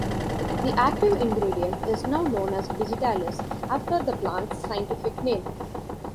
The active ingredient is now known as digitalis, after the plant's scientific name.